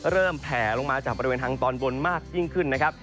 แผ่ลงมาจากบริเวณทางตอนบนมากยิ่งขึ้นนะครับ